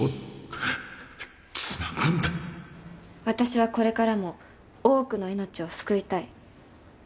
私はこれからも多くの命を救いたい。